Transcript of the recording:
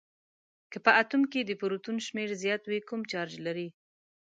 که په اتوم کې د پروتون شمیر زیات وي کوم چارج لري؟